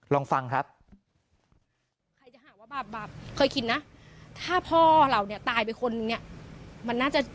ลองฟังครับ